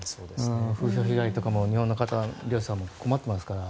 風評被害とかも日本の方、漁師さんも困っていますから。